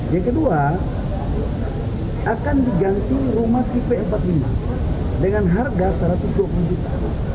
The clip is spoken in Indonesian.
yang kedua akan diganti rumah tipe empat puluh lima dengan harga rp satu ratus dua puluh juta